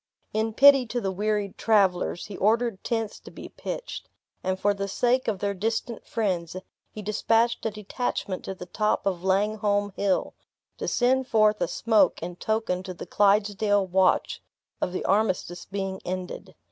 In pity to the wearied travelers, he ordered tents to be pitched; and for the sake of their distant friends, he dispatched a detachment to the top of Langholm Hill, to send forth a smoke in token to the Clydesdale watch, of the armistice being ended.